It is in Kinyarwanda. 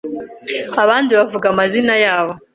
abandi bavuga amazina yabo